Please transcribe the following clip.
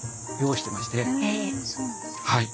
はい。